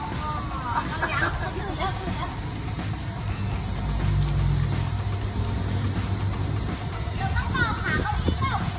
เดี๋ยวต้องต่อขาเขาอีกหรอ